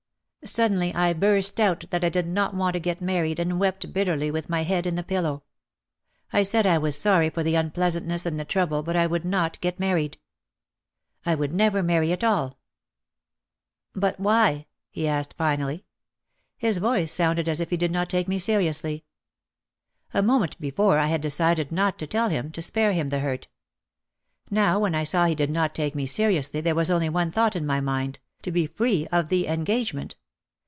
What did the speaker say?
Suddenly I burst out that I did not want to get married and wept bitterly with my head in the pillow. I said I was sorry for the unpleasantness and the trouble but I would not get married. I would never marry at all. "But why ?" he asked finally. His voice sounded as if he did not take me seriously. A moment before I had decided not to tell him, to spare him the hurt. Now when I saw he did not take me seriously there was only one thought in my mind, to be free of the engagement.